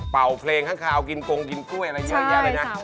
เป่าเพลงข้างกินกงกินกล้วยและเยอะแยะเลยนะใช่สามคน